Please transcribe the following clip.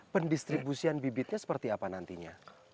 pendistribusian bibitnya seperti apa nantinya